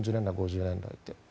４０年代、５０年代って。